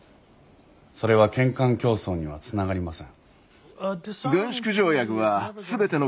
それは建艦競争にはつながりません。